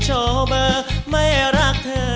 ขอบคุณครับ